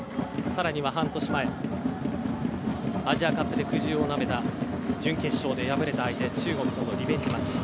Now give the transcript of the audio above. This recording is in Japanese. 更には半年前アジアカップで苦汁をなめた準決勝で敗れた相手、中国とのリベンジマッチ。